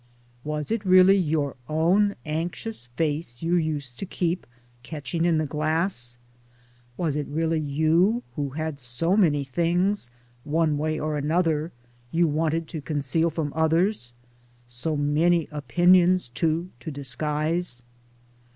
Was it really your own anxious face you used to keep catching in the glass ? was it really you who had so many things, one way or another, you wanted to conceal from others — so many opinions too to disguise?